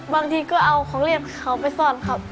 บางทีก็เอาของเล่นเขาไปซ่อนครับ